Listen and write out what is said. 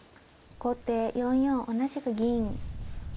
後手４四同じく銀。